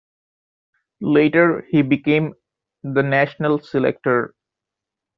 Later, he became the national selector.